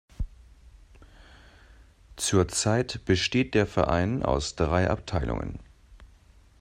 Zurzeit besteht der Verein aus drei Abteilungen.